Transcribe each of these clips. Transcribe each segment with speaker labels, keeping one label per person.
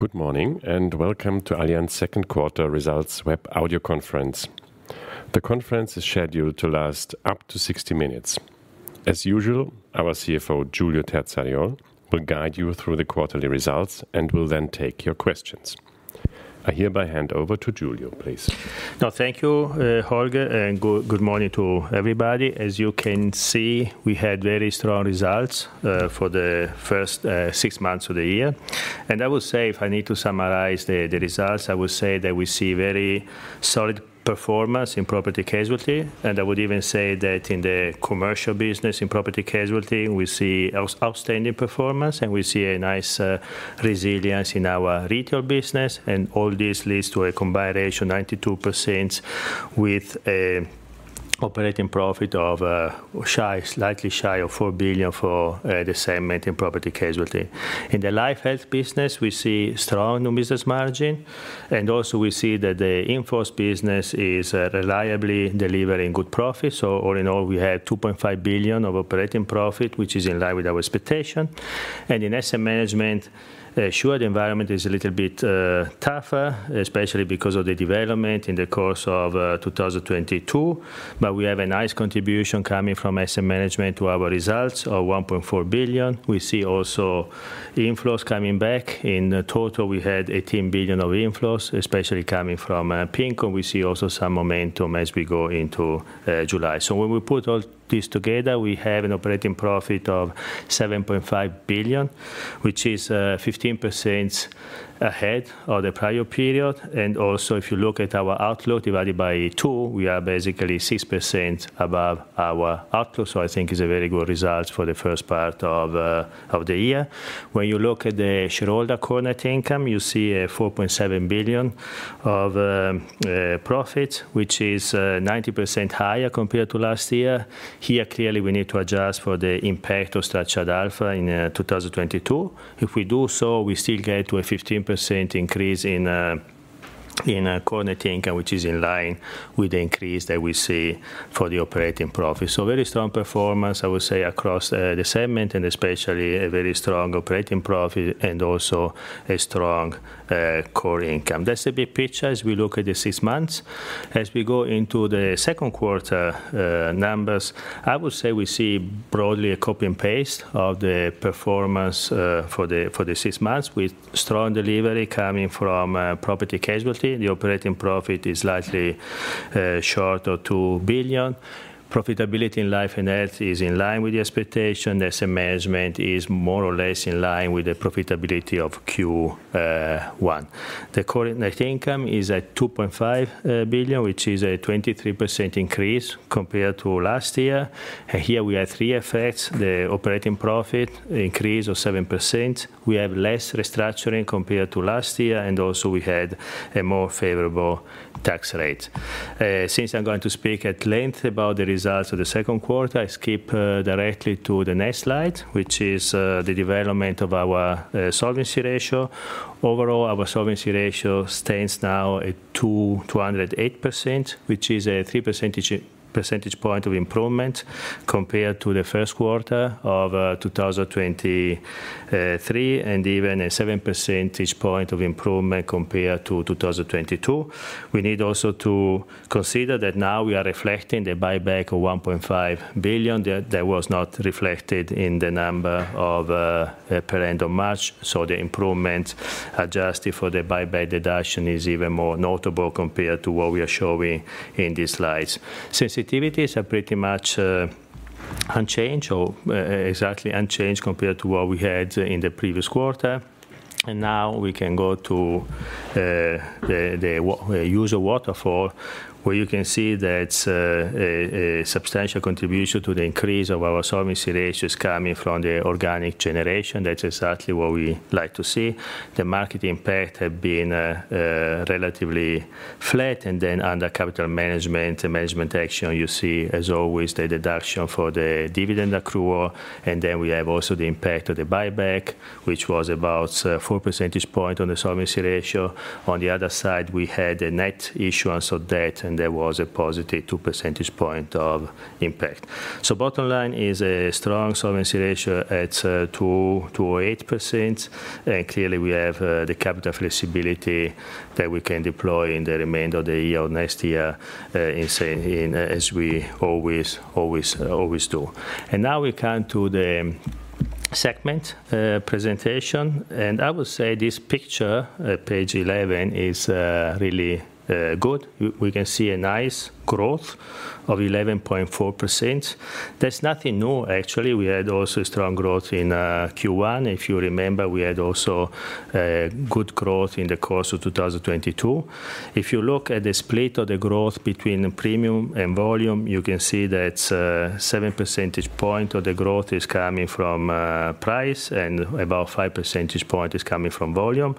Speaker 1: Good morning, and Welcome to Allianz Second Quarter Results Web Audio Conference. The conference is scheduled to last up to 60 minutes. As usual, our CFO, Giulio Terzariol, will guide you through the quarterly results and will then take your questions. I hereby hand over to Giulio, please.
Speaker 2: Thank you, Holger, and good, good morning to everybody. As you can see, we had very strong results for the first six months of the year. I will say, if I need to summarize the results, I will say that we see very solid performance in Property Casualty, and I would even say that in the commercial business, in Property Casualty, we see out-outstanding performance, and we see a nice resilience in our retail business. All this leads to a combined ratio, 92%, with a operating profit of shy, slightly shy of 4 billion for the segment in Property Casualty. In the Life Health business, we see strong new business margin, and also we see that the in-force business is reliably delivering good profit. All in all, we had 2.5 billion of operating profit, which is in line with our expectation. In asset management, sure, the environment is a little bit tougher, especially because of the development in the course of 2022, but we have a nice contribution coming from asset management to our results of 1.4 billion. We see also inflows coming back. In total, we had 18 billion of inflows, especially coming from Ping An. We see also some momentum as we go into July. When we put all this together, we have an operating profit of 7.5 billion, which is 15% ahead of the prior period. Also, if you look at our outlook divided by two, we are basically 6% above our outlook. I think is a very good result for the first part of the year. When you look at the shareholders' core net income, you see 4.7 billion of profit, which is 90% higher compared to last year. Here, clearly, we need to adjust for the impact of Structured Alpha in 2022. If we do so, we still get to a 15% increase in core net income, which is in line with the increase that we see for the operating profit. Very strong performance, I would say, across the segment, and especially a very strong operating profit and also a strong core income. That's the big picture as we look at the six months. As we go into the second quarter numbers, I would say we see broadly a copy and paste of the performance for the six months, with strong delivery coming from property casualty. The operating profit is slightly short of 2 billion. Profitability in life and health is in line with the expectation. Asset management is more or less in line with the profitability of Q1. The Core Net Income is at 2.5 billion, which is a 23% increase compared to last year. Here we have three effects: the operating profit increase of 7%, we have less restructuring compared to last year, and also we had a more favorable tax rate. Since I'm going to speak at length about the results of the second quarter, I skip directly to the next slide, which is the development of our solvency ratio. Overall, our solvency ratio stands now at 208%, which is a 3 percentage point of improvement compared to the first quarter of 2023, and even a 7 percentage point of improvement compared to 2022. We need also to consider that now we are reflecting the buyback of 1.5 billion that was not reflected in the number of per end of March. The improvement, adjusted for the buyback deduction, is even more notable compared to what we are showing in these slides. Sensitivities are pretty much unchanged or exactly unchanged compared to what we had in the previous quarter. Now we can go to the usual waterfall, where you can see that a substantial contribution to the increase of our solvency ratio is coming from the organic generation. That's exactly what we like to see. The market impact have been relatively flat. Under capital management and management action, you see, as always, the deduction for the dividend accrual. We have also the impact of the buyback, which was about 4 percentage point on the solvency ratio. On the other side, we had a net issuance of debt, and there was a positive 2 percentage point of impact. Bottom line is a strong solvency ratio at 208%. Clearly, we have the capital flexibility that we can deploy in the remainder of the year or next year, as we always, always, always do. Now we come to the segment presentation, and I would say this picture, page 11, is really good. We can see a nice growth of 11.4%. There's nothing new, actually. We had also strong growth in Q1. If you remember, we had also good growth in the course of 2022. If you look at the split of the growth between the premium and volume, you can see that 7 percentage point of the growth is coming from price, and about 5 percentage point is coming from volume.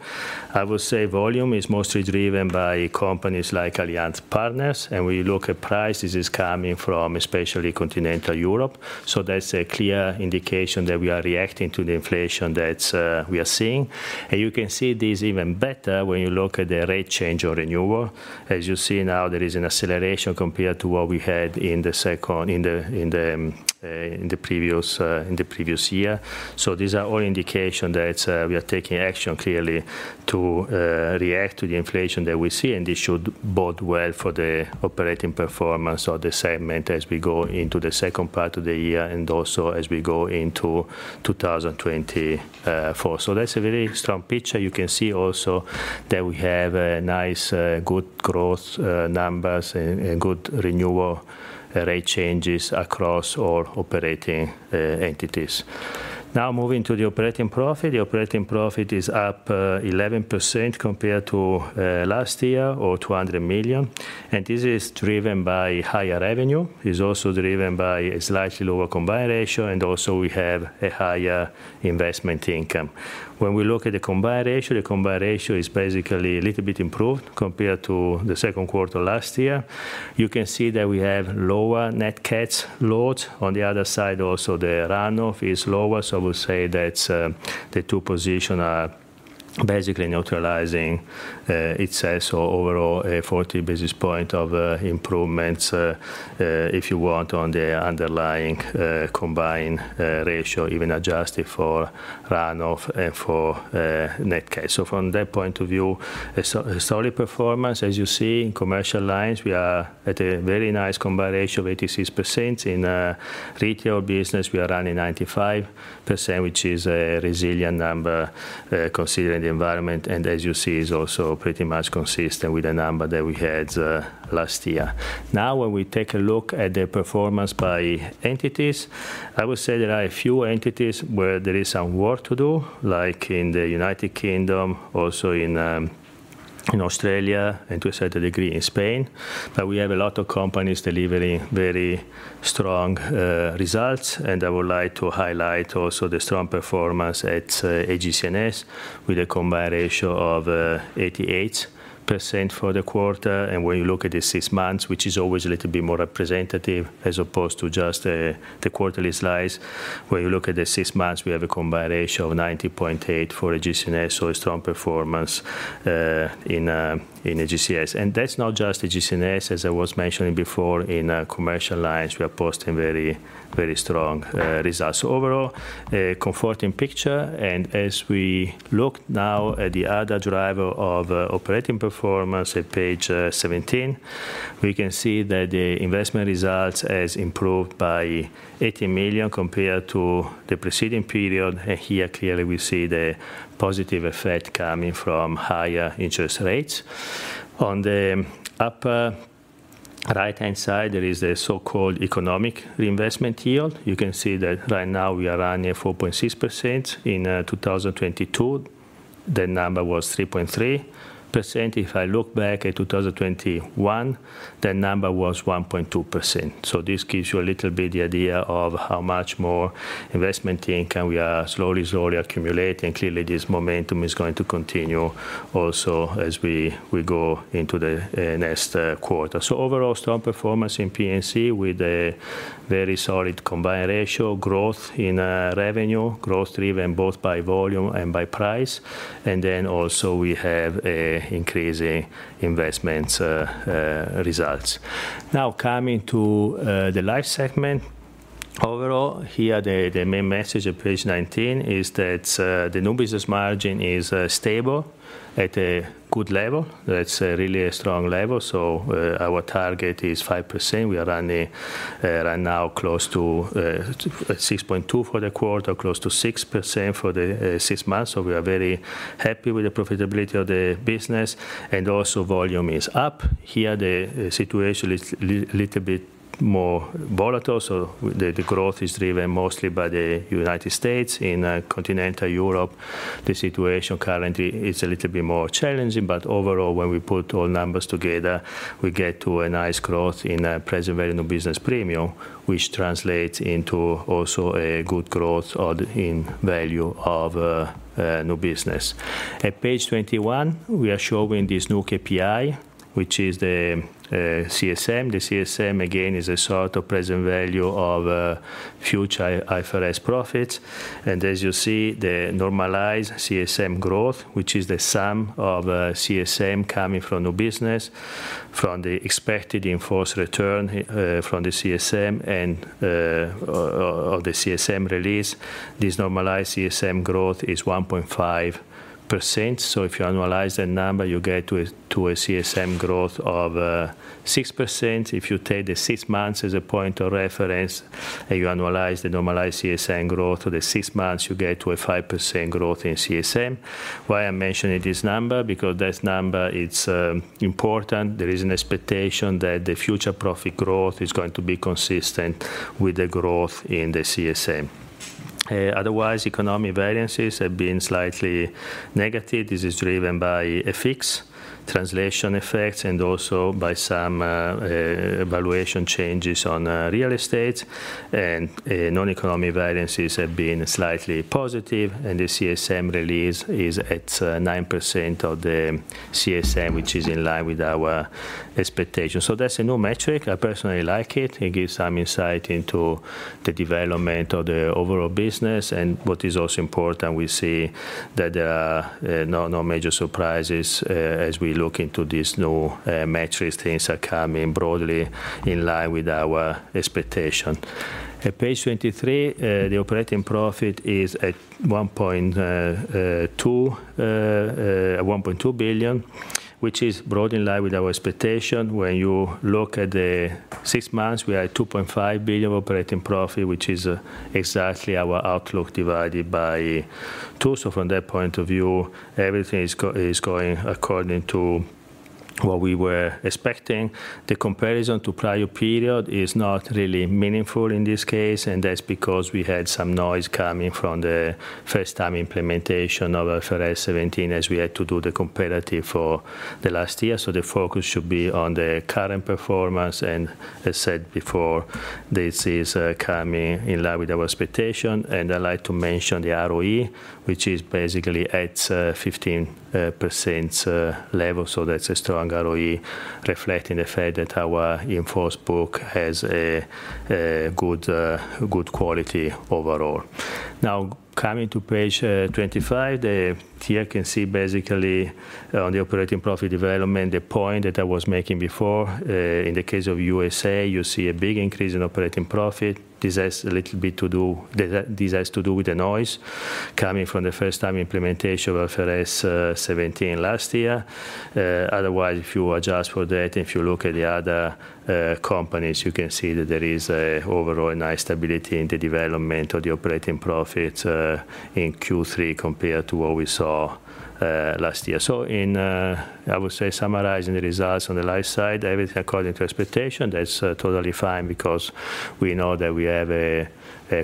Speaker 2: I would say volume is mostly driven by companies like Allianz Partners. We look at price, this is coming from especially continental Europe. That's a clear indication that we are reacting to the inflation that we are seeing. You can see this even better when you look at the rate change or renewal. As you see now, there is an acceleration compared to what we had in the second, in the previous year. These are all indication that we are taking action, clearly, to react to the inflation that we see, and this should bode well for the operating performance of the segment as we go into the second part of the year, and also as we go into 2024. That's a very strong picture. You can see that we have a nice, good growth numbers and, and good renewal rate changes across all operating entities. Moving to the operating profit. The operating profit is up 11% compared to last year, or 200 million, and this is driven by higher revenue. It's also driven by a slightly lower combined ratio, and also we have a higher investment income. When we look at the combined ratio, the combined ratio is basically a little bit improved compared to the second quarter last year. You can see that we have lower net cat load. On the other side, also, the run-off is lower, so I would say that the two position are basically neutralizing itself. Overall, a 40 basis point of improvements, if you want, on the underlying combined ratio, even adjusted for run-off and for net cats. From that point of view, a solid performance. As you see, in commercial lines, we are at a very nice combined ratio of 86%. In retail business, we are running 95%, which is a resilient number, considering the environment, and as you see, is also pretty much consistent with the number that we had last year. Now, when we take a look at the performance by entities, I would say there are a few entities where there is some work to do, like in the United Kingdom, also in Australia, and to a certain degree in Spain. We have a lot of companies delivering very strong results, and I would like to highlight also the strong performance at AGCS, with a combined ratio of 88% for the quarter. When you look at the six months, which is always a little bit more representative as opposed to just the quarterly slides, when you look at the six months, we have a combined ratio of 90.8 for AGCS. A strong performance in AGCS. That's not just AGCS. As I was mentioning before, in commercial lines, we are posting very, very strong results. Overall, a comforting picture. As we look now at the other driver of operating performance at page 17, we can see that the investment results has improved by 80 million compared to the preceding period, and here, clearly, we see the positive effect coming from higher interest rates. On the upper right-hand side, there is a so-called economic reinvestment yield. You can see that right now we are running at 4.6%. In 2022, the number was 3.3%. If I look back at 2021, the number was 1.2%. This gives you a little bit the idea of how much more investment income we are slowly, slowly accumulating. Clearly, this momentum is going to continue also as we go into the next quarter. Overall, strong performance in PNC with a very solid combined ratio, growth in revenue, growth driven both by volume and by price, and then also we have a increasing investment results. Coming to the life segment. Overall, here, the main message on page 19 is that the new business margin is stable at a good level. That's really a strong level. Our target is 5%. We are running right now close to 6.2 for the quarter, close to 6% for the six months. We are very happy with the profitability of the business, and also volume is up. Here, the situation is little bit more volatile, so the growth is driven mostly by the United States. In continental Europe, the situation currently is a little bit more challenging, but overall, when we put all numbers together, we get to a nice growth in present value new business premium, which translates into also a good growth in value of new business. At page 21, we are showing this new KPI, which is the CSM. The CSM, again, is a sort of present value of future IFRS profits. As you see, the normalized CSM growth, which is the sum of CSM coming from new business, from the expected enforced return, from the CSM and of the CSM release, this normalized CSM growth is 1.5%. If you annualize that number, you get to a CSM growth of 6%. If you take the six months as a point of reference, and you annualize the normalized CSM growth to the six months, you get to a 5% growth in CSM. Why I'm mentioning this number? Because this number, it's important. There is an expectation that the future profit growth is going to be consistent with the growth in the CSM. Otherwise, economic variances have been slightly negative. This is driven by a fix, translation effects, and also by some valuation changes on real estate. Non-economic variances have been slightly positive, and the CSM release is at 9% of the CSM, which is in line with our expectations. That's a new metric. I personally like it. It gives some insight into the development of the overall business, and what is also important, we see that there are, no, no major surprises. As we look into these new, metrics, things are coming broadly in line with our expectation. At page 23, the operating profit is at 1.2 billion. Which is broad in line with our expectation. When you look at the six months, we are at 2.5 billion operating profit, which is exactly our outlook divided by two. From that point of view, everything is going according to what we were expecting. The comparison to prior period is not really meaningful in this case, and that's because we had some noise coming from the first time implementation of IFRS 17, as we had to do the comparative for the last year. The focus should be on the current performance, and as said before, this is coming in line with our expectation. I'd like to mention the ROE, which is basically at 15% level, so that's a strong ROE, reflecting the fact that our in-force book has a good quality overall. Coming to page 25, here you can see basically the operating profit development, the point that I was making before. In the case of U.S.A., you see a big increase in operating profit. This has a little bit to do... This has to do with the noise coming from the first time implementation of IFRS 17 last year. Otherwise, if you adjust for that, if you look at the other companies, you can see that there is a overall nice stability in the development of the operating profit in Q3 compared to what we saw last year. In, I would say summarizing the results on the life side, everything according to expectation. That's totally fine because we know that we have a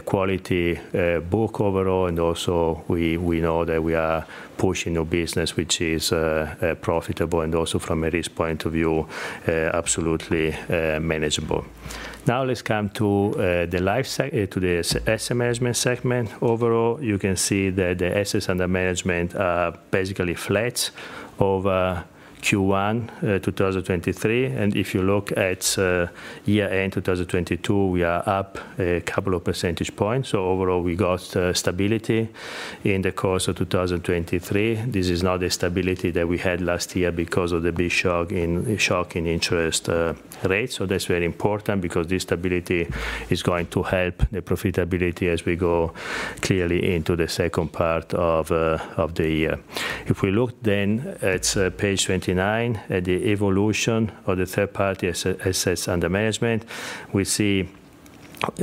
Speaker 2: quality book overall, and also we know that we are pushing a business which is profitable, and also from a risk point of view, absolutely manageable. Let's come to the asset management segment. Overall, you can see that the assets under management are basically flat over Q1 2023, and if you look at year-end 2022, we are up a couple of percentage points. Overall, we got stability in the course of 2023. This is not the stability that we had last year because of the big shock in, shock in interest rates. That's very important because this stability is going to help the profitability as we go clearly into the second part of the year. If we look at page 29, at the evolution of the third-party asse- assets under management, we see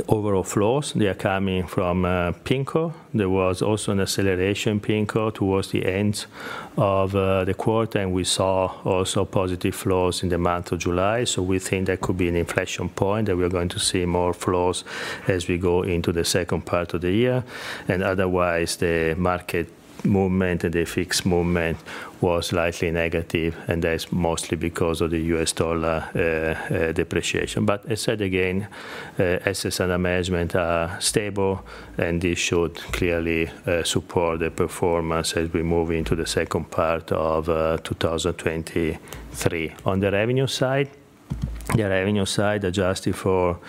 Speaker 2: overall flows. They are coming from PIMCO. There was also an acceleration PIMCO towards the end of the quarter, and we saw also positive flows in the month of July. We think that could be an inflection point, that we are going to see more flows as we go into the second part of the year. Otherwise, the market movement and the fixed movement was slightly negative, and that is mostly because of the US dollar depreciation. I said again, assets under management are stable, and this should clearly support the performance as we move into the second part of 2023. On the revenue side, the revenue side, adjusted for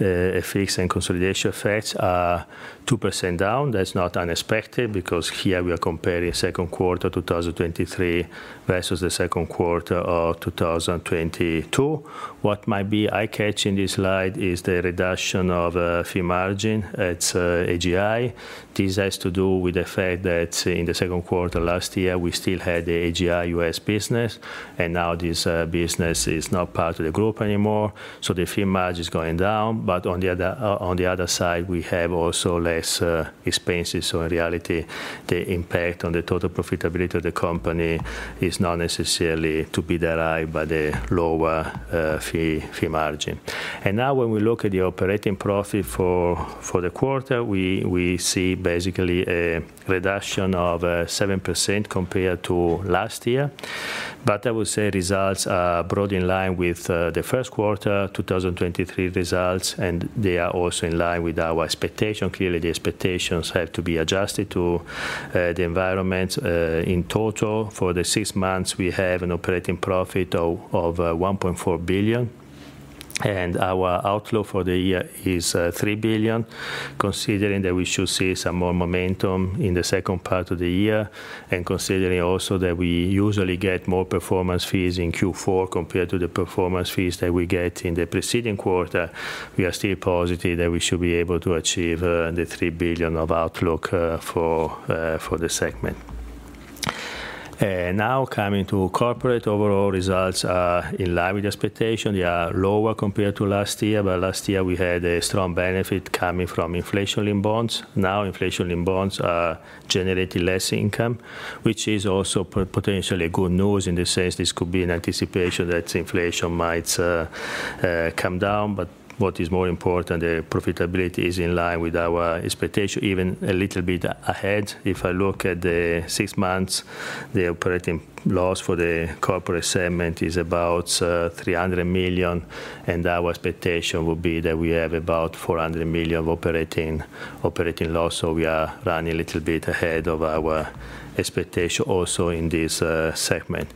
Speaker 2: a fixed and consolidation effects, are 2% down. That's not unexpected, because here we are comparing second quarter 2023 versus the second quarter of 2022. What might be eye-catching in this slide is the reduction of fee margin at AGI. This has to do with the fact that in the second quarter last year, we still had the AGI U.S. business. Now this business is not part of the group anymore, the fee margin is going down. On the other, on the other side, we have also less expenses. In reality, the impact on the total profitability of the company is not necessarily to be derived by the lower fee margin. Now, when we look at the operating profit for the quarter, we see basically a reduction of 7% compared to last year. I would say results are broad in line with Q1 2023 results. They are also in line with our expectation. The expectations have to be adjusted to the environment. In total, for the six months, we have an operating profit of 1.4 billion, and our outlook for the year is 3 billion. Considering that we should see some more momentum in the second part of the year, and considering also that we usually get more performance fees in Q4 compared to the performance fees that we get in the preceding quarter, we are still positive that we should be able to achieve the 3 billion of outlook for this segment. Now coming to corporate. Overall results are in line with expectation. They are lower compared to last year, but last year we had a strong benefit coming from inflation in bonds. Inflation in bonds are generating less income, which is also potentially good news in the sense this could be an anticipation that inflation might come down. What is more important, the profitability is in line with our expectation, even a little bit ahead. If I look at the six months, the operating loss for the corporate segment is about 300 million, and our expectation will be that we have about 400 million of operating, operating loss. We are running a little bit ahead of our expectation also in this segment.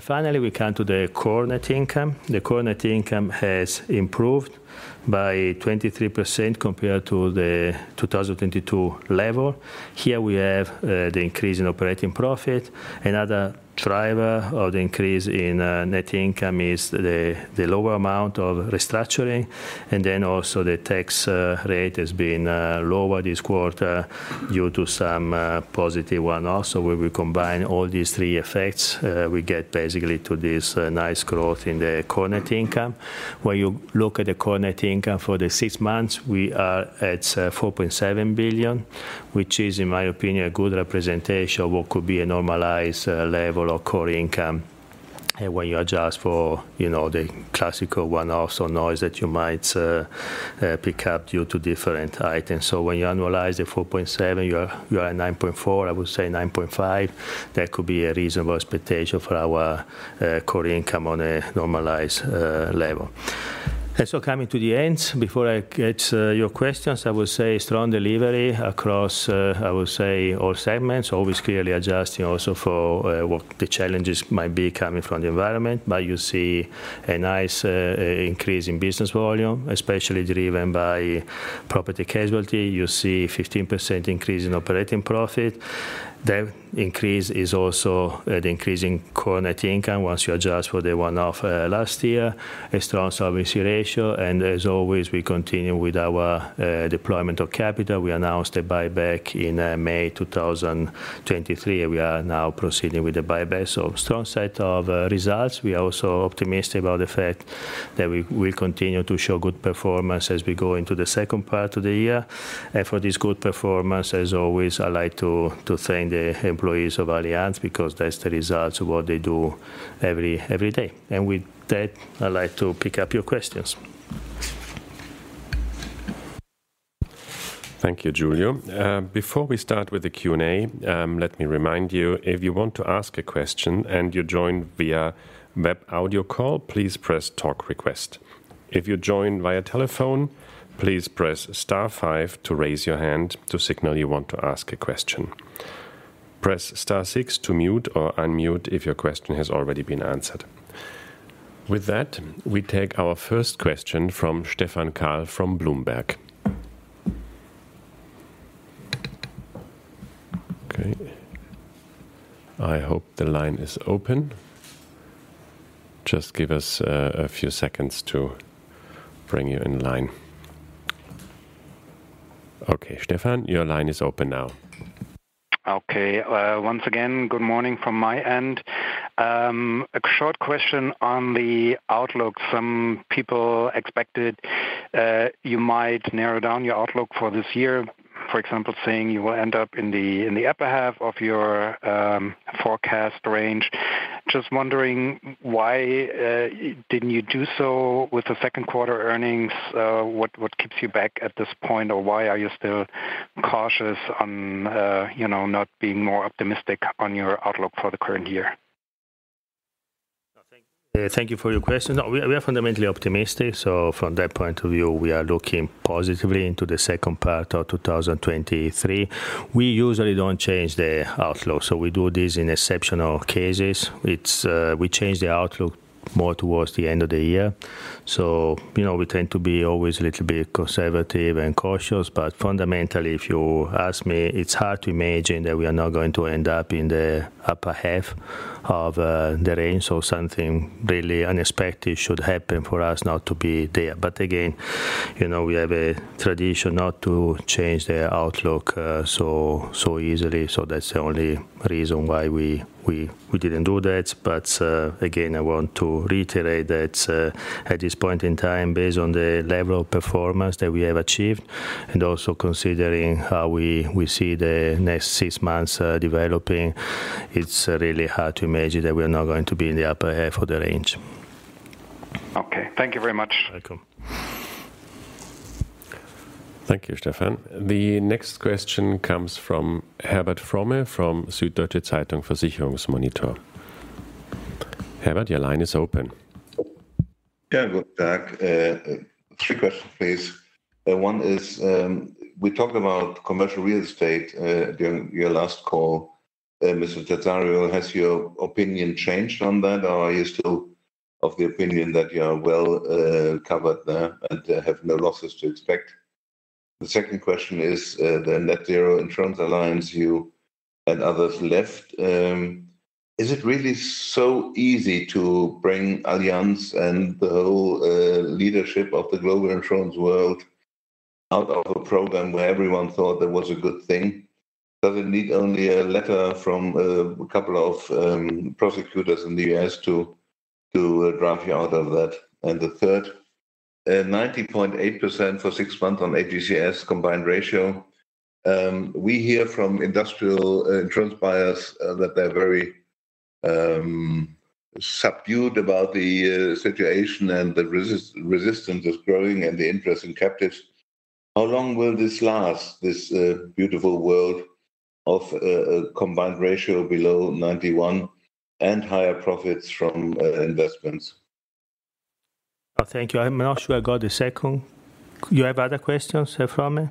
Speaker 2: Finally, we come to the core net income. The core net income has improved by 23% compared to the 2022 level. Here we have the increase in operating profit. Another driver of the increase in net income is the lower amount of restructuring, and then also the tax rate has been lower this quarter due to some positive one-offs. When we combine all these three effects, we get basically to this nice growth in the core net income. When you look at the core net income for the six months, we are at 4.7 billion, which is, in my opinion, a good representation of what could be a normalized level of core income. And when you adjust for, you know, the classical one-off, so noise that you might pick up due to different items. When you annualize the 4.7, you are at 9.4, I would say 9.5. That could be a reasonable expectation for our core income on a normalized level. Coming to the end, before I get your questions, I will say strong delivery across, I will say all segments. Always clearly adjusting also for what the challenges might be coming from the environment. You see a nice increase in business volume, especially driven by property casualty. You see 15% increase in operating profit. That increase is also the increase in core net income once you adjust for the one-off last year. A strong solvency ratio, and as always, we continue with our deployment of capital. We announced a buyback in May 2023, and we are now proceeding with the buyback. Strong set of results. We are also optimistic about the fact that we will continue to show good performance as we go into the second part of the year. For this good performance, as always, I like to thank the employees of Allianz, because that's the results of what they do every day. With that, I'd like to pick up your questions.
Speaker 1: Thank you, Giulio. Before we start with the Q&A, let me remind you, if you want to ask a question and you joined via web audio call, please press talk request. If you joined via telephone, please press star five to raise your hand to signal you want to ask a question. Press star six to mute or unmute if your question has already been answered. With that, we take our first question from Stephan Kahl from Bloomberg. Okay, I hope the line is open. Just give us a few seconds to bring you in line. Okay, Stefan, your line is open now.
Speaker 3: Okay. Once again, good morning from my end. A short question on the outlook. Some people expected you might narrow down your outlook for this year. For example, saying you will end up in the, in the upper half of your forecast range. Just wondering, why didn't you do so with the second quarter earnings? What, what keeps you back at this point, or why are you still cautious on, you know, not being more optimistic on your outlook for the current year?
Speaker 2: Thank you for your question. We are, we are fundamentally optimistic, so from that point of view, we are looking positively into the second part of 2023. We usually don't change the outlook, so we do this in exceptional cases. It's, we change the outlook more towards the end of the year. You know, we tend to be always a little bit conservative and cautious, but fundamentally, if you ask me, it's hard to imagine that we are not going to end up in the upper half of the range. Something really unexpected should happen for us not to be there. Again, you know, we have a tradition not to change the outlook, so, so easily, so that's the only reason why we, we, we didn't do that. Again, I want to reiterate that, at this point in time, based on the level of performance that we have achieved, and also considering how we, we see the next six months, developing, it's really hard to imagine that we are not going to be in the upper half of the range.
Speaker 3: Okay. Thank you very much.
Speaker 2: Welcome.
Speaker 1: Thank you, Stefan. The next question comes from Herbert Fromme from Süddeutsche Zeitung Versicherungsmonitor. Herbert, your line is open.
Speaker 4: Yeah, good day. Three questions, please. One is, we talked about commercial real estate during your last call. Mr. Terzariol, has your opinion changed on that, or are you still of the opinion that you are well covered there and have no losses to expect? The second question is, the Net-Zero Insurance Alliance, you and others left. Is it really so easy to bring Allianz and the whole leadership of the global insurance world out of a program where everyone thought that was a good thing? Does it need only a letter from a couple of prosecutors in the U.S. to drive you out of that? The third, 90.8% for six months on AGCS combined ratio. We hear from industrial insurance buyers that they're very subdued about the situation, and the resistance is growing and the interest in captives. How long will this last, this beautiful world of a combined ratio below 91 and higher profits from investments?
Speaker 2: Oh, thank you. I'm not sure I got the second. You have other questions, Fromme?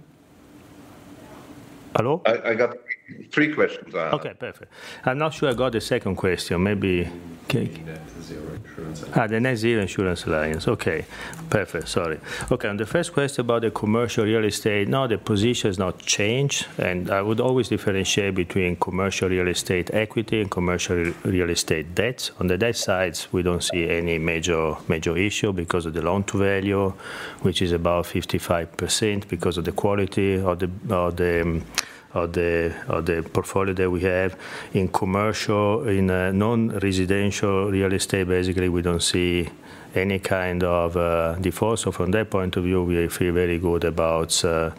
Speaker 2: Hello?
Speaker 4: I, I got three questions I have.
Speaker 2: Okay, perfect. I'm not sure I got the second question. Maybe-
Speaker 1: The Net-Zero Insurance Alliance.
Speaker 2: The Net-Zero Insurance Alliance. Okay, perfect. Sorry. Okay, on the first question about the commercial real estate, no, the position has not changed, and I would always differentiate between commercial real estate equity and commercial real estate debts. On the debt sides, we don't see any major, major issue because of the loan-to-value, which is about 55% because of the quality of the, of the portfolio that we have in commercial, in non-residential real estate, basically, we don't see any kind of default. From that point of view, we feel very good about the,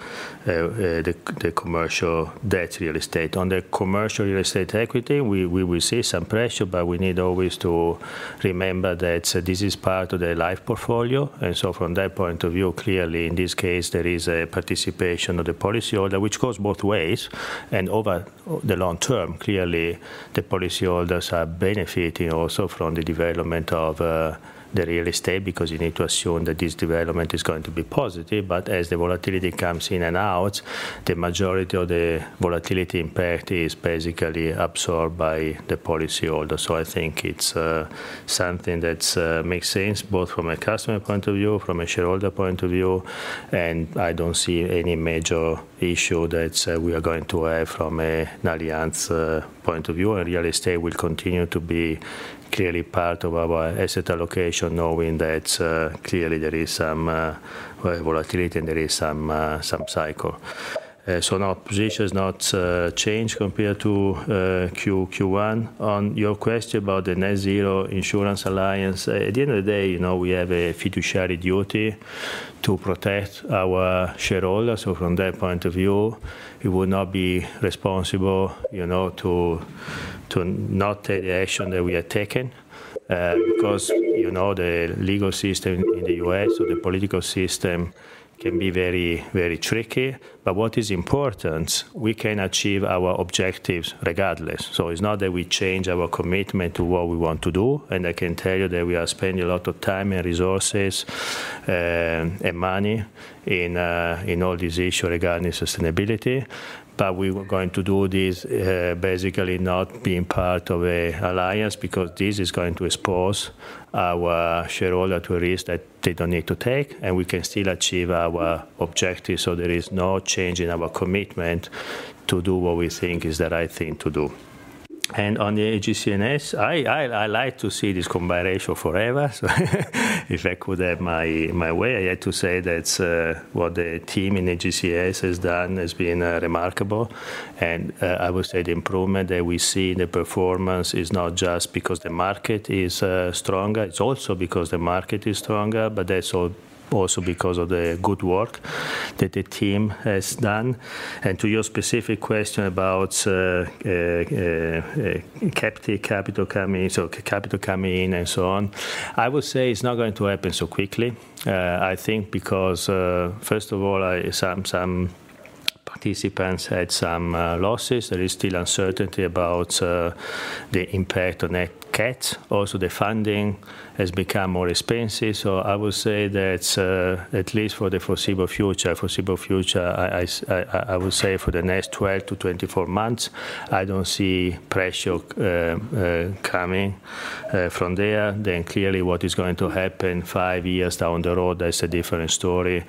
Speaker 2: the commercial debt real estate. On the commercial real estate equity, we, we will see some pressure, but we need always to remember that this is part of the life portfolio. From that point of view, clearly in this case, there is a participation of the policyholder, which goes both ways. Over the long term, clearly, the policyholders are benefiting also from the development of the real estate, because you need to assume that this development is going to be positive. As the volatility comes in and out, the majority of the volatility impact is basically absorbed by the policyholder. I think it's something that makes sense, both from a customer point of view, from a shareholder point of view, and I don't see any major issue that we are going to have from a Allianz point of view. Real estate will continue to be clearly part of our asset allocation, knowing that clearly there is some volatility and there is some cycle. Our position has not changed compared to Q1. On your question about the Net Zero Insurance Alliance, at the end of the day, you know, we have a fiduciary duty to protect our shareholders. From that point of view, it would not be responsible, you know, to not take the action that we are taking because, you know, the legal system in the U.S. or the political system can be very, very tricky. What is important, we can achieve our objectives regardless. It's not that we change our commitment to what we want to do, and I can tell you that we are spending a lot of time and resources and money in all this issue regarding sustainability. We were going to do this, basically not being part of a alliance, because this is going to expose our shareholder to a risk that they don't need to take, and we can still achieve our objectives. There is no change in our commitment to do what we think is the right thing to do. On the AGCS, I, I, I like to see this combination forever. If I could have my, my way, I had to say that, what the team in AGCS has done has been remarkable. I would say the improvement that we see in the performance is not just because the market is stronger. It's also because the market is stronger, but that's also because of the good work that the team has done. To your specific question about capital, capital coming, so capital coming in, and so on, I would say it's not going to happen so quickly. I think because, first of all, some, some participants had some losses. There is still uncertainty about the impact on their cat. Also, the funding has become more expensive. I would say that, at least for the foreseeable future, foreseeable future, I would say for the next 12-24 months, I don't see pressure coming from there. Clearly, what is going to happen five years down the road, that's a different story.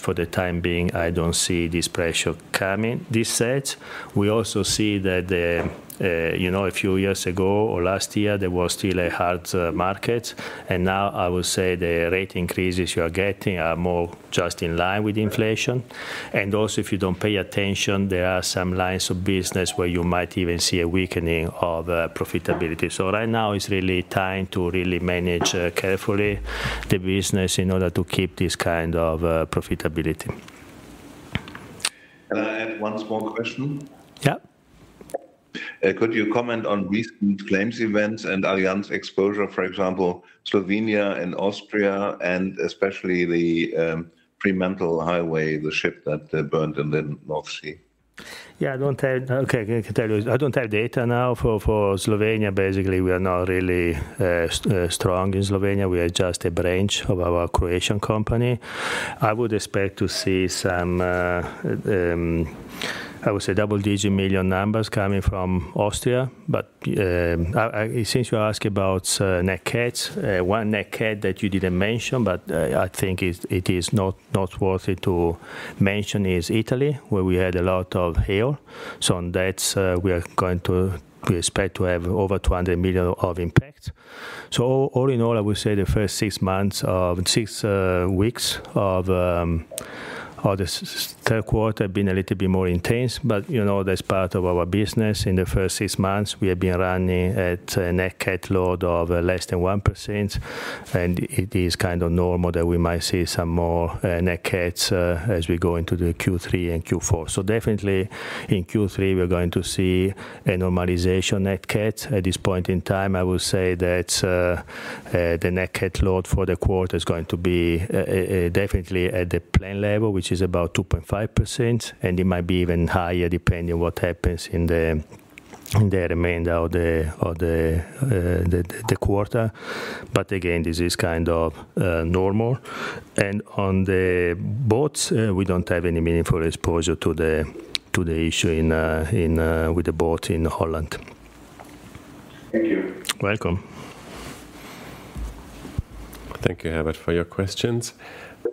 Speaker 2: For the time being, I don't see this pressure coming. This said, we also see that the, you know, a few years ago or last year, there was still a hard market. Now I would say the rate increases you are getting are more just in line with inflation. Also, if you don't pay attention, there are some lines of business where you might even see a weakening of profitability. Right now it's really time to really manage carefully the business in order to keep this kind of profitability.
Speaker 4: Can I add one more question?
Speaker 2: Yeah.
Speaker 4: Could you comment on recent claims, events, and Allianz exposure, for example, Slovenia and Austria, and especially the Fremantle Highway, the ship that burned in the North Sea?
Speaker 2: Yeah, I don't have. Okay, I can tell you, I don't have data now for Slovenia. Basically, we are not really strong in Slovenia. We are just a branch of our Croatian company. I would expect to see some, I would say double-digit million numbers coming from Austria. I, since you ask about net cats, one net cat that you didn't mention, but I think it's, it is not, not worth it to mention, is Italy, where we had a lot of hail. On that, we are going to expect to have over 200 million of impact. All in all, I would say the first six weeks of the third quarter have been a little bit more intense, but, you know, that's part of our business. In the first six months, we have been running at a net cat load of less than 1%. It is kind of normal that we might see some more net cats as we go into the Q3 and Q4. Definitely, in Q3, we're going to see a normalization net cat. At this point in time, I will say that the net cat load for the quarter is going to be definitely at the plan level, which is about 2.5%, and it might be even higher, depending on what happens in the remainder of the quarter. Again, this is kind of normal. On the boats, we don't have any meaningful exposure to the issue with the boat in Holland.
Speaker 4: Thank you.
Speaker 2: Welcome.
Speaker 1: Thank you, Herbert, for your questions.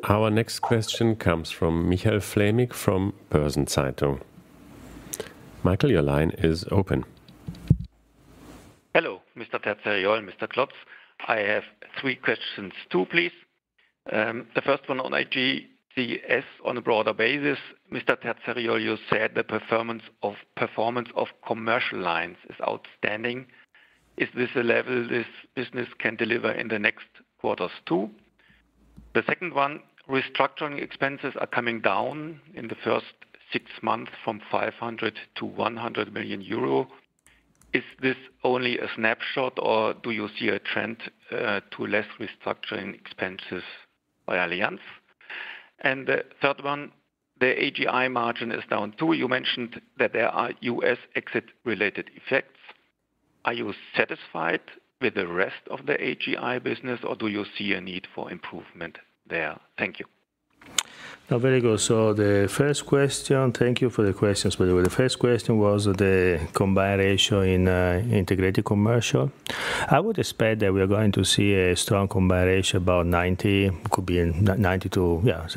Speaker 1: Our next question comes from Michael Fleming, from Börsen-Zeitung. Michael, your line is open.
Speaker 5: Mr. Terzariol and Mr. Klotz. I have three questions, too, please. The first one on AGCS on a broader basis. Mr. Terzariol, you said the performance of, performance of commercial lines is outstanding. Is this a level this business can deliver in the next quarters, too? The second one, restructuring expenses are coming down in the first six months from 500 million to 100 million euro. Is this only a snapshot, or do you see a trend to less restructuring expenses by Allianz? The third one, the AGI margin is down, too. You mentioned that there are U.S. exit-related effects. Are you satisfied with the rest of the AGI business, or do you see a need for improvement there? Thank you.
Speaker 2: Very good. The first question, thank you for the questions. The first question was the combined ratio in integrated commercial. I would expect that we are going to see a strong combined ratio, about 90, could be 92. Yeah, it's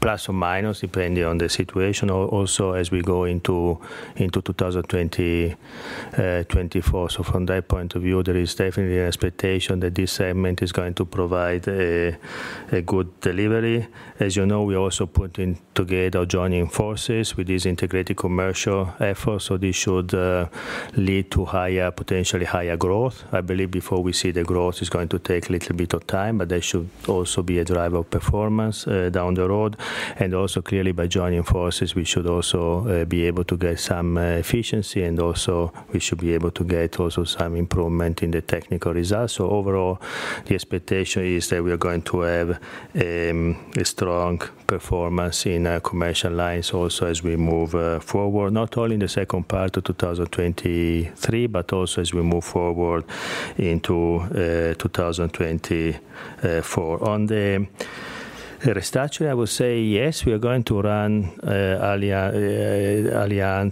Speaker 2: like ±, depending on the situation, also as we go into 2024. From that point of view, there is definitely an expectation that this segment is going to provide a good delivery. As you know, we also put in together joining forces with this integrated commercial effort. This should lead to potentially higher growth. I believe before we see the growth, it's going to take a little bit of time, but there should also be a drive of performance down the road. Clearly, by joining forces, we should also be able to get some efficiency, and also we should be able to get also some improvement in the technical results. Overall, the expectation is that we are going to have a strong performance in our commercial lines also as we move forward, not only in the second part of 2023, but also as we move forward into 2024. On the restructure, I will say yes, we are going to run Allianz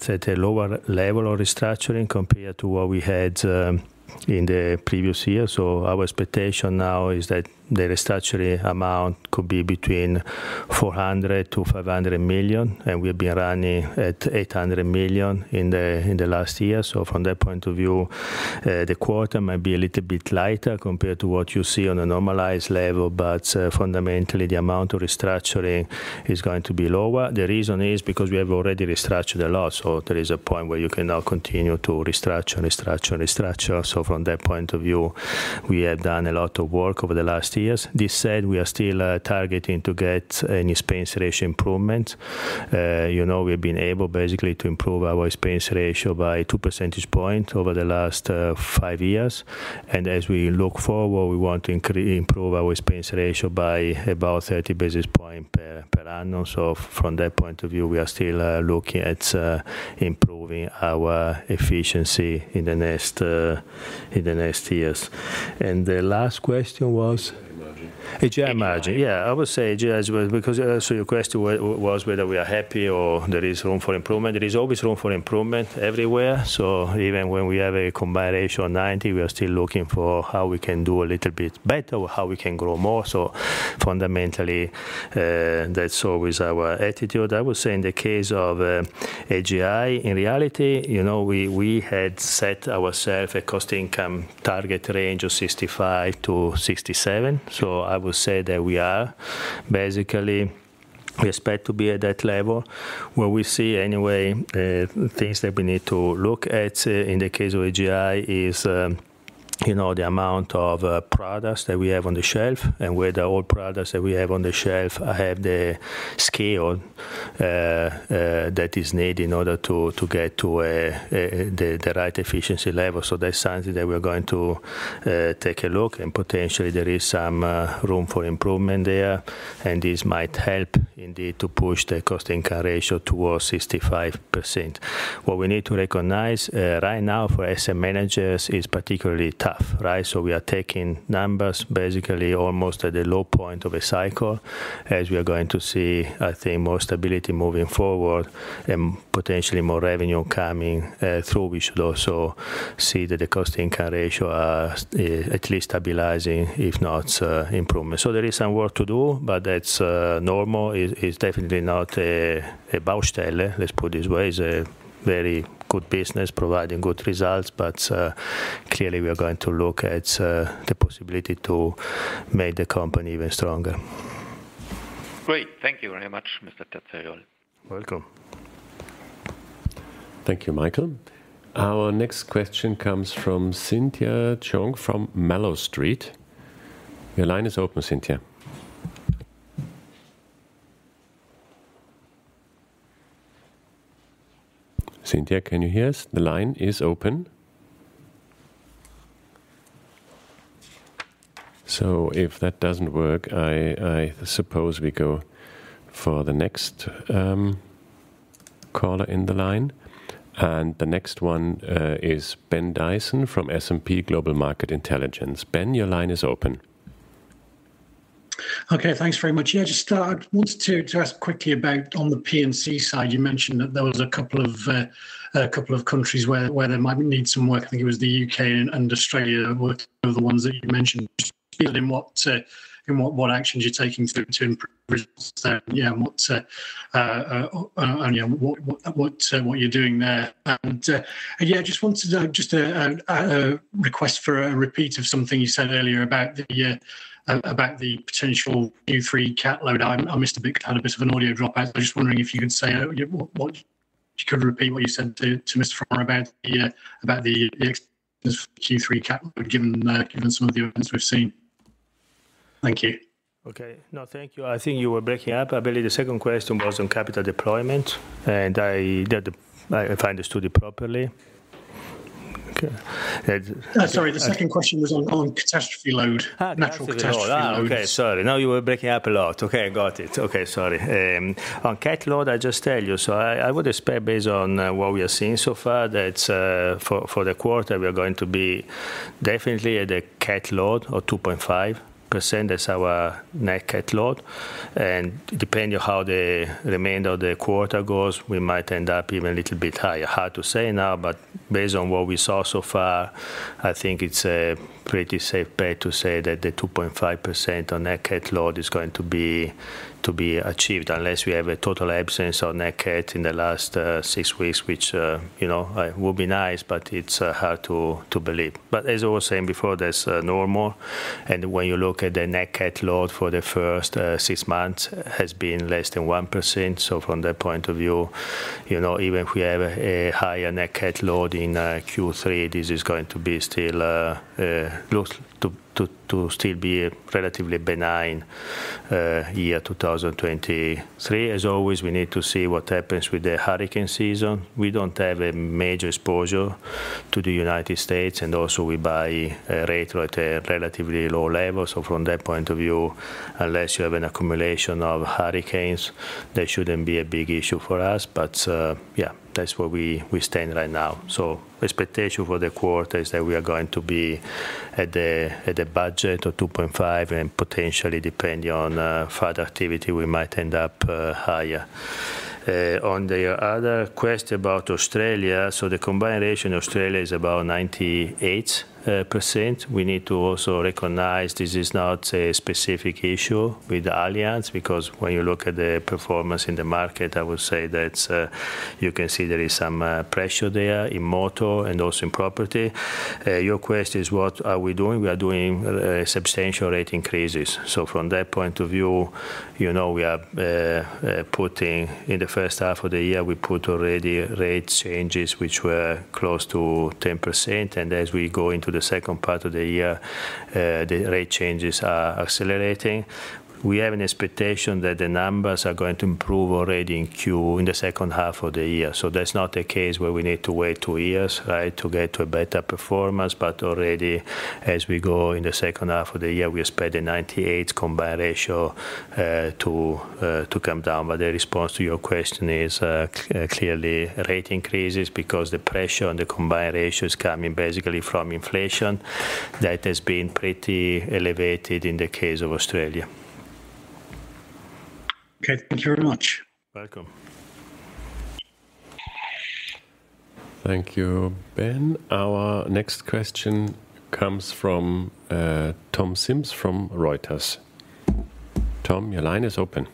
Speaker 2: at a lower level of restructuring compared to what we had in the previous year. Our expectation now is that the restructuring amount could be between 400 million-500 million, and we've been running at 800 million in the last year. From that point of view, the quarter might be a little bit lighter compared to what you see on a normalized level, but fundamentally, the amount of restructuring is going to be lower. The reason is because we have already restructured a lot, so there is a point where you cannot continue to restructure, restructure, restructure. From that point of view, we have done a lot of work over the last five years. This said, we are still targeting to get an expense ratio improvement. You know, we've been able basically to improve our expense ratio by 2 percentage points over the last five years. As we look forward, we want to improve our expense ratio by about 30 basis points per annum. From that point of view, we are still looking at improving our efficiency in the next in the next years. The last question was?
Speaker 5: Margin.
Speaker 2: AGI margin. I would say AGI, because, so your question was whether we are happy or there is room for improvement. There is always room for improvement everywhere. Even when we have a combined ratio of 90, we are still looking for how we can do a little bit better or how we can grow more. Fundamentally, that's always our attitude. I would say in the case of AGI, in reality, you know, we, we had set ourself a cost income target range of 65-67. I would say that we are. Basically, we expect to be at that level. Where we see anyway, things that we need to look at, in the case of AGI is, you know, the amount of products that we have on the shelf, and whether all products that we have on the shelf have the scale that is needed in order to get to the right efficiency level. That's something that we're going to take a look, and potentially there is some room for improvement there, and this might help indeed to push the cost income ratio towards 65%. What we need to recognize, right now for asset managers is particularly tough, right? We are taking numbers basically almost at the low point of a cycle. As we are going to see, I think, more stability moving forward and potentially more revenue coming through, we should also see that the cost income ratio are at least stabilizing, if not, improvement. There is some work to do, but that's normal. It is definitely not a Baustelle, let's put it this way. It's a very good business, providing good results, but clearly, we are going to look at the possibility to make the company even stronger.
Speaker 5: Great. Thank you very much, Mr. Terzariol.
Speaker 2: Welcome.
Speaker 1: Thank you, Michael. Our next question comes from Cynthia Chong from Mallowstreet. Your line is open, Cynthia. Cynthia, can you hear us? The line is open. If that doesn't work, I, I suppose we go for the next caller in the line, and the next one is Ben Dyson from S&P Global Market Intelligence. Ben, your line is open.
Speaker 6: Okay, thanks very much. Just, I wanted to ask quickly about on the PNC side, you mentioned that there was a couple of countries where they might need some work. I think it was the U.K. and Australia were the ones that you mentioned. Field in what, what actions you're taking to improve results there. What you're doing there. Just wanted to, just, a request for a repeat of something you said earlier about the potential Q3 cat load. I, I missed a bit, had a bit of an audio dropout. I'm just wondering if you could say, If you could repeat what you said to Mr. Farmer about the, about the, the Q3 cat load, given the, given some of the events we've seen. Thank you.
Speaker 2: Okay. No, thank you. I think you were breaking up. I believe the second question was on capital deployment, and I. If I understood it properly. Okay.
Speaker 6: Sorry, the second question was on, on catastrophe load.
Speaker 2: Catastrophe load.
Speaker 6: Natural catastrophe load.
Speaker 2: Ah, okay. Sorry. Now you were breaking up a lot. Okay, got it. Okay, sorry. On cat load, I just tell you, so I, I would expect, based on what we are seeing so far, that for, for the quarter, we are going to be definitely at a cat load of 2.5%. That's our net cat load. Depending on how the remainder of the quarter goes, we might end up even a little bit higher. Hard to say now, but based on what we saw so far, I think it's a pretty safe bet to say that the 2.5% on net cat load is going to be, to be achieved, unless we have a total absence on net cat in the last six weeks, which, you know, will be nice, but it's hard to, to believe. As I was saying before, that's normal, and when you look at the net cat load for the first six months has been less than 1%. From that point of view, you know, even if we have a higher net cat load in Q3, this is going to be still looks to still be a relatively benign year, 2023. As always, we need to see what happens with the hurricane season. We don't have a major exposure to the United States, and also we buy rate at a relatively low level. From that point of view, unless you have an accumulation of hurricanes, that shouldn't be a big issue for us. Yeah, that's where we, we stand right now. Expectation for the quarter is that we are going to be at the, at the budget of 2.5, and potentially, depending on further activity, we might end up higher. On the other question about Australia, the combined ratio in Australia is about 98%. We need to also recognize this is not a specific issue with Allianz, because when you look at the performance in the market, I would say that you can see there is some pressure there in motor and also in property. Your question is, what are we doing? We are doing substantial rate increases. From that point of view, you know, we are putting. In the first half of the year, we put already rate changes, which were close to 10%, As we go into the second part of the year, the rate changes are accelerating. We have an expectation that the numbers are going to improve already in the second half of the year. That's not a case where we need to wait two years, right, to get to a better performance. Already, as we go in the second half of the year, we expect the 98 combined ratio to come down. The response to your question is clearly rate increases, because the pressure on the combined ratio is coming basically from inflation that has been pretty elevated in the case of Australia.
Speaker 6: Okay, thank you very much.
Speaker 2: Welcome.
Speaker 1: Thank you, Ben. Our next question comes from Tom Sims from Reuters. Tom, your line is open.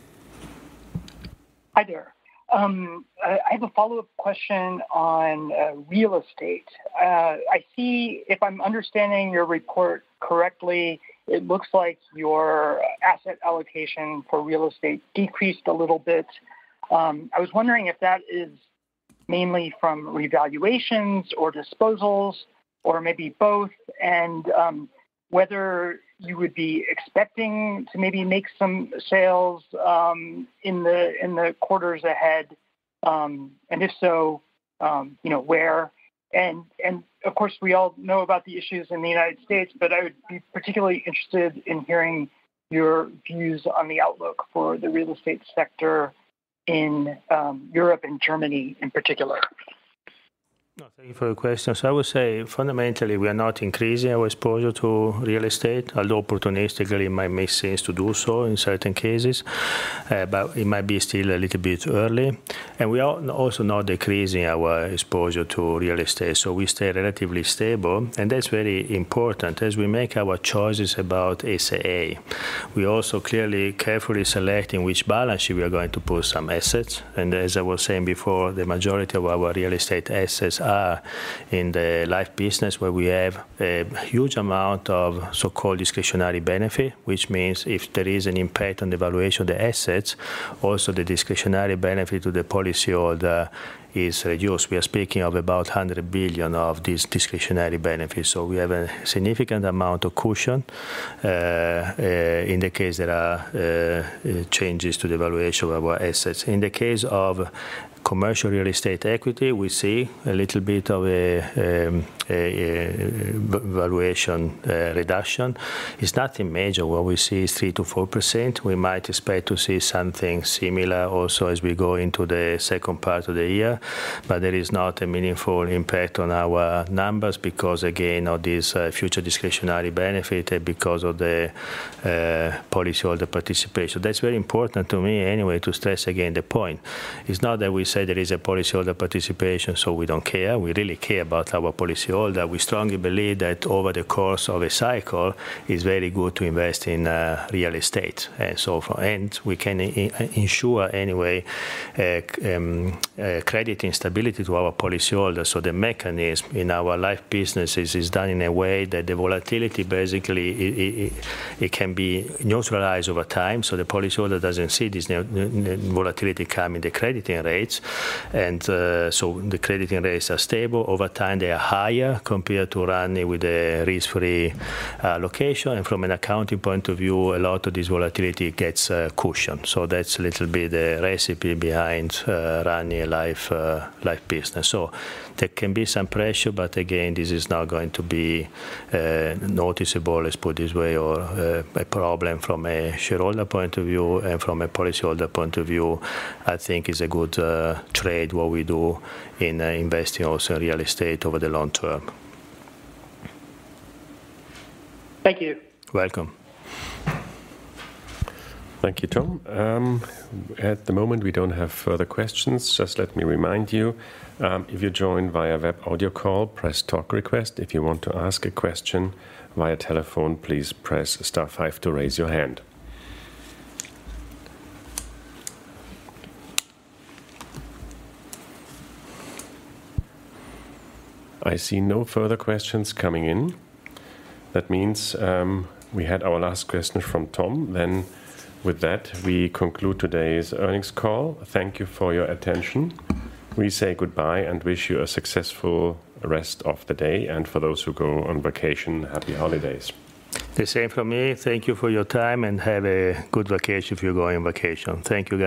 Speaker 7: Hi, there. I have a follow-up question on real estate. I see, if I'm understanding your report correctly, it looks like your asset allocation for real estate decreased a little bit. I was wondering if that is mainly from revaluations or disposals, or maybe both, and whether you would be expecting to maybe make some sales in the quarters ahead. If so, you know, where? Of course, we all know about the issues in the United States, but I would be particularly interested in hearing your views on the outlook for the real estate sector in Europe and Germany in particular.
Speaker 2: Thank you for the question. I would say, fundamentally, we are not increasing our exposure to real estate, although opportunistically it might make sense to do so in certain cases, but it might be still a little bit early. We are also not decreasing our exposure to real estate, so we stay relatively stable, and that's very important. As we make our choices about ACA, we also clearly carefully select in which balance sheet we are going to put some assets. As I was saying before, the majority of our real estate assets are in the life business, where we have a huge amount of so-called discretionary benefit, which means if there is an impact on the valuation of the assets, also the discretionary benefit to the policyholder is reduced. We are speaking of about 100 billion of these discretionary benefits. We have a significant amount of cushion in the case there are changes to the valuation of our assets. In the case of commercial real estate equity, we see a little bit of a valuation reduction. It's nothing major. What we see is 3%-4%. We might expect to see something similar also as we go into the second part of the year. There is not a meaningful impact on our numbers, because, again, of this future discretionary benefit, because of the policyholder participation. That's very important to me anyway, to stress again the point. It's not that we say there is a policyholder participation, so we don't care. We really care about our policyholder. We strongly believe that over the course of a cycle, it's very good to invest in real estate and so forth. We can ensure anyway, credit and stability to our policyholders. The mechanism in our life business is done in a way that the volatility basically can be neutralized over time, so the policyholder doesn't see this volatility come in the crediting rates. The crediting rates are stable. Over time, they are higher compared to running with a risk-free location. From an accounting point of view, a lot of this volatility gets cushioned. That's a little bit the recipe behind running a life life business. There can be some pressure, but again, this is not going to be noticeable, let's put it this way, or a problem from a shareholder point of view and from a policyholder point of view. I think it's a good trade, what we do in investing also in real estate over the long term.
Speaker 7: Thank you.
Speaker 2: Welcome.
Speaker 1: Thank you, Tom. At the moment, we don't have further questions. Just let me remind you, if you joined via web audio call, press talk request. If you want to ask a question via telephone, please press star five to raise your hand. I see no further questions coming in. That means, we had our last question from Tom. With that, we conclude today's earnings call. Thank you for your attention. We say goodbye and wish you a successful rest of the day, and for those who go on vacation, happy holidays.
Speaker 2: The same for me. Thank you for your time, and have a good vacation if you're going on vacation. Thank you again.